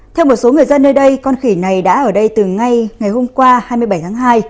theo một số người dân nơi đây con khỉ này đã ở đây từ ngay ngày hôm qua hai mươi bảy tháng hai